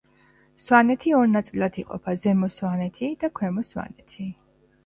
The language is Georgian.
სვანეთი ორ ნაწილად იყოფა ზემო სვანეთი და ქვემო სვანეთი